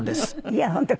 いや本当